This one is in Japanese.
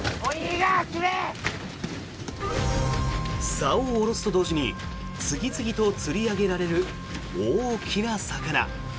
さおを下ろすと同時に次々と釣り上げられる大きな魚。